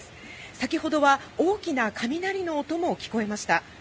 先ほどは大きな雷の音も聞こえました。